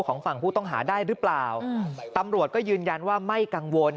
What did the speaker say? ฝั่งผู้ต้องหาได้หรือเปล่าตำรวจก็ยืนยันว่าไม่กังวล